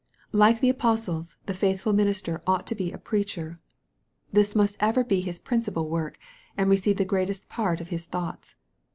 Like the apostles, the faithful minister ought to be a preacher. This must ever be his principal work, and receive the greatest part of his thoughts.